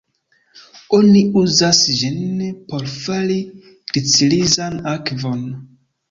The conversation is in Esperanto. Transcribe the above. Oni uzas ĝin por fari glicirizan akvon.